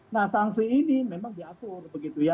nah sanksi ini memang diatur begitu ya